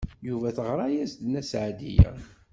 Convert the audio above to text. Yuba teɣra-as-d Nna Seɛdiya.